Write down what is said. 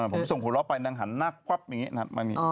เออเออผมส่งผัวเราะไปนางหันหน้ากวับอย่างงี้น่ะมานี่อ๋อ